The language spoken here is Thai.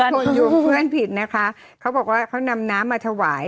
คนอยู่เพื่อนผิดนะคะเขาบอกว่าเขานำน้ำมาถวาย